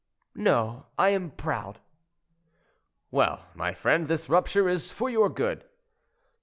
"No, I am proud." "Well, my friend, this rupture is for your good."